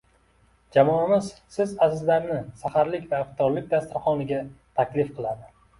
Jamoamiz siz azizlarni saharlik va iftorlik dasturxoniga taklif qiladi.